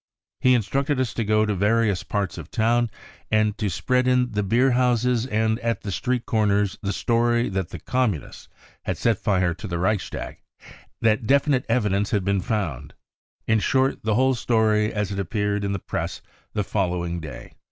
He instructed us to go to various parts of the town and to spread in the beerhouses and at the street corners the story that the Communists had set fire to the Reichstag, that definite evidencefoad been found — in short, the whole story as it appeared in the Press the following day.